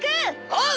おう。